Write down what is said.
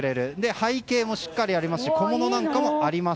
背景もしっかりありますし小物なんかもあります。